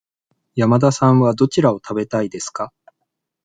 山田さんはどちらを食べたいですか。